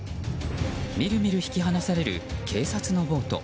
みるみる引き離される警察のボート。